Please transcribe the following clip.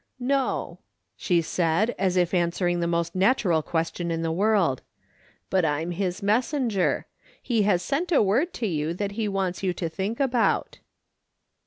" No," she said, as if answering the most natural question in the world ;" but I'm his messenger. He has sent a word to you that he wants you to think about."